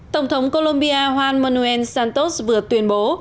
tổng thống colombia juan manuel santos vừa tuyên bố